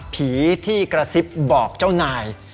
ผีที่กระซิบบอกเจ้านาย